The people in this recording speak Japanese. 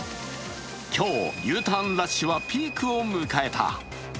今日、Ｕターンラッシュはピークを迎えた。